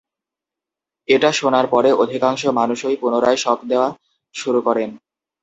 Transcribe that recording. এটা শোনার পরে অধিকাংশ মানুষই পুনরায় শক দেয়া শুরু করেন।